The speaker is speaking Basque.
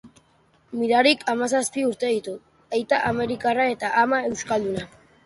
Mirarik hamazazpi urte ditu, aita amerikarra eta ama euskalduna.